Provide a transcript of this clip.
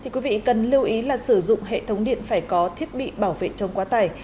quý vị cần lưu ý là sử dụng hệ thống điện phải có thiết bị bảo vệ chống quá tải